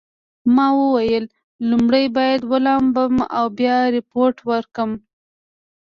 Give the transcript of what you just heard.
ما وویل لومړی باید ولامبم او بیا ریپورټ ورکړم.